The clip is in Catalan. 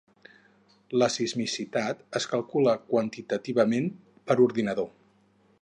La sismicitat es calcula quantitativament per ordinador.